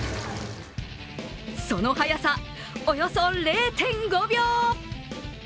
その速さ、およそ０．５秒。